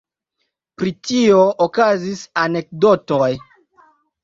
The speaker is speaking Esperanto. Pri tio okazis anekdotoj.